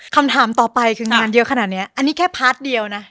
คำถามต่อไปคืองานเยอะขนาดนี้อันนี้แค่พาร์ทเดียวนะ